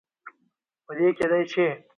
په دې کې دی، چې